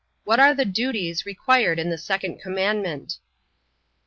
What are the duties required in the second commandment?